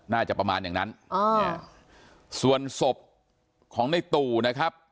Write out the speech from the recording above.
น่าจะประมาณอย่างนั้นอ๋อเนี่ยส่วนศพของในตู่นะครับ